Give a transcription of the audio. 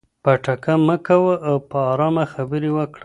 پټکه مه کوه او په ارامه خبرې وکړه.